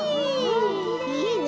いいね。